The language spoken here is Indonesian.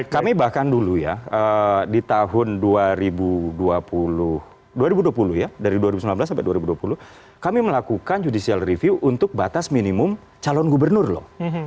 kami bahkan dulu ya di tahun dua ribu dua puluh ya dari dua ribu sembilan belas sampai dua ribu dua puluh kami melakukan judicial review untuk batas minimum calon gubernur loh